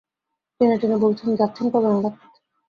টেনে-টেনে বললেন, যাচ্ছেন কবে নাগাদ?